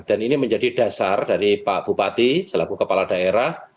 dan ini menjadi dasar dari pak bupati selaku kepala daerah